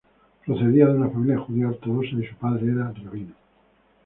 Procedía de una familia judía ortodoxa y su padre era rabino.